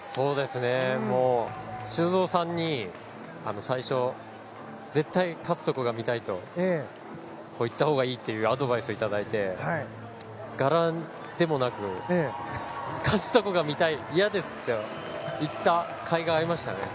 修造さんに最初絶対勝つところが見たいと言ったほうがいいというアドバイスをいただいて柄でもなく勝つところが見たい、嫌ですと言ったかいがありましたね。